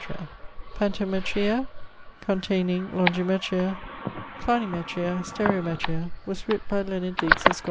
Pantometria, containing longimetria, planimetria, stereometria was writ by Leonard Digges, esq.